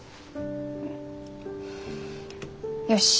よし。